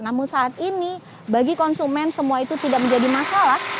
namun saat ini bagi konsumen semua itu tidak menjadi masalah